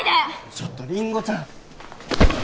ちょっとりんごちゃん